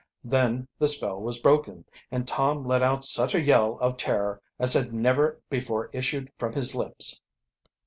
Then the spell was broken, and Tom let out such a yell of terror as had never before issued from his lips.